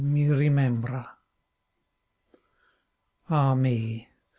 mi rimembra Ah me